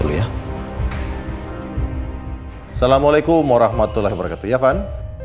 assalamualaikum warahmatullahi wabarakatuh ya van